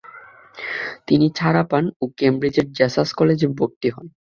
তিনি ছাড়া পান ও ক্যামব্রিজের জেসাস কলেজে ভর্তি হন।